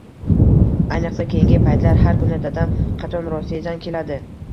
Ayniqsa, keyingi paytlar har kuni Dadam qachon Rossiyadan keladi